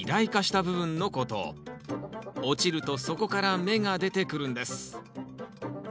落ちるとそこから芽が出てくるんです。